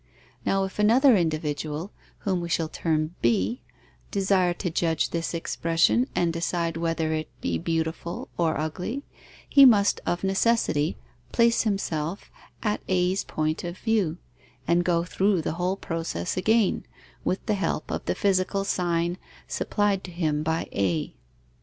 Now if another individual, whom we shall term B, desire to judge this expression and decide whether it be beautiful or ugly, he must of necessity place himself at A's point of view, and go through the whole process again, with the help of the physical sign, supplied to him by A.